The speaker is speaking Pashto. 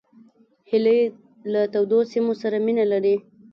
هیلۍ له تودو سیمو سره مینه لري